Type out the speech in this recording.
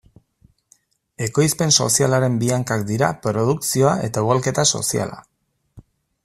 Ekoizpen sozialaren bi hankak dira produkzioa eta ugalketa soziala.